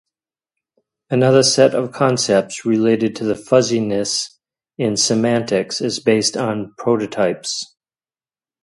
Another set of concepts related to fuzziness in semantics is based on prototypes.